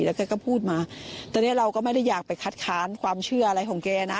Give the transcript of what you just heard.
แล้วแกก็พูดมาตอนนี้เราก็ไม่ได้อยากไปคัดค้านความเชื่ออะไรของแกนะ